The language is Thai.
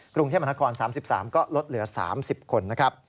กรุงเทพมนาคม๓๓ก็ลดเหลือ๓๐คน